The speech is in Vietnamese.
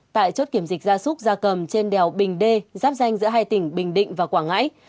tại chốt kiểm dịch gia súc gia cầm trên đèo bình đê giáp danh giữa hai tỉnh bình định và quảng ngãi